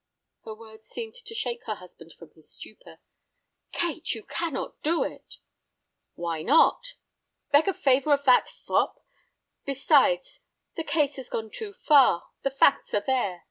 Her words seemed to shake her husband from his stupor. "Kate, you cannot do it." "Why not?" "Beg a favor of that fop! Besides, the case has gone too far. The facts are there.